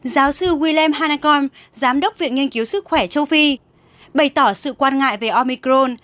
giáo sư wilem hanakong giám đốc viện nghiên cứu sức khỏe châu phi bày tỏ sự quan ngại về omicron